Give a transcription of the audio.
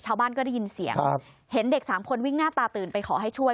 ชาวบ้านก็ได้ยินเสียงครับเห็นเด็กสามคนวิ่งหน้าตาตื่นไปขอให้ช่วย